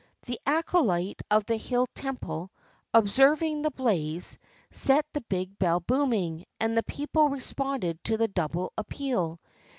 The acolyte of the hill temple, observing the blaze, set the big bell booming; and the people responded to the double appeal.